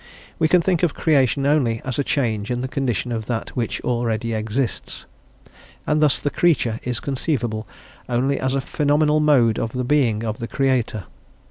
We can think of creation only as a change in the condition of that which already exists, and thus the creature is conceivable only as a phenomenal mode of the being of the Creator."